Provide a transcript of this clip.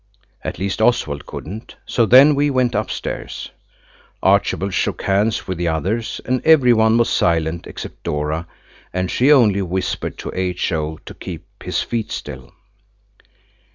At least Oswald couldn't. So then we went upstairs. Archibald shook hands with the others, and every one was silent except Dora, and she only whispered to H.O. to keep his feet still.